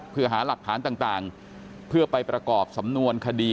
เพื่อหาหลักฐานต่างเพื่อไปประกอบสำนวนคดี